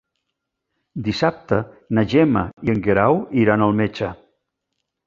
Dissabte na Gemma i en Guerau iran al metge.